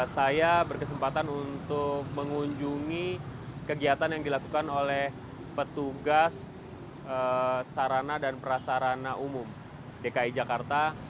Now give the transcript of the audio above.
saya berkesempatan untuk mengunjungi kegiatan yang dilakukan oleh petugas sarana dan prasarana umum dki jakarta